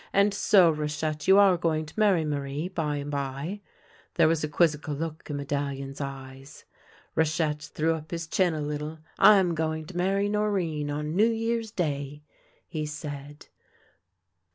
And so, Rachette, you are g'oino^ to marry Alarie, by and by ?" There was a quizzical look in Medallion's eyes. Rachette threw up his chin a little. " I'm going to marry Norinne on New Year's Day," he said.